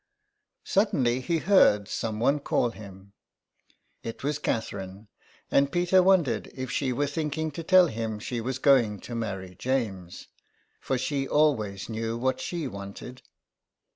Suddenly he heard some one call him. It was Catherine, and Peter wondered if she were thinking to tell him she was going to marry James. For she always knew what she wanted.